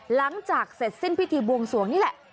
หลังจากเสร็จสิ้นพิธีบวงสวงนี่แหละ